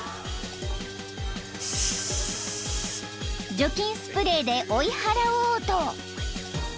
［除菌スプレーで追い払おうと］